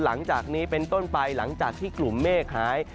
หลังจากนี้เป็นต้นไปหลังจากที่กลุ่มเมฆหาย